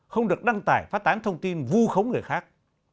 không được đăng tải phát tán thông tin vu khống người khác